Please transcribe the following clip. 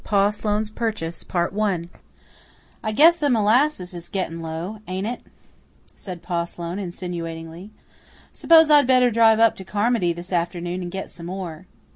Pa Sloane's Purchase "I guess the molasses is getting low, ain't it?" said Pa Sloane insinuatingly. "S'pose I'd better drive up to Carmody this afternoon and get some more."